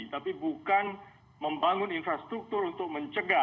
tapi bukan membangun infrastruktur untuk mencegah